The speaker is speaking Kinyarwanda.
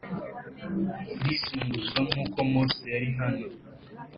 rizunguzwa g nk uko Mose yari hano